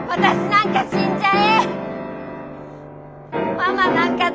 みんな死んじゃえ。